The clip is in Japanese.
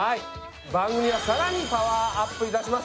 番組はさらにパワーアップいたします